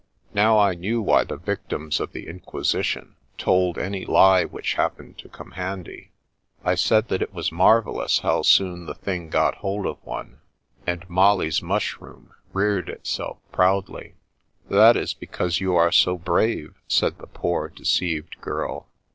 Now I knew why the victims of the Inquisition told any lie which happened to come handy. I said that it was marvellous how soon the thing got hold of one ; and Molly's mushroom reared itself proudly. " That is because you are so brave," said the poor, deceived girl.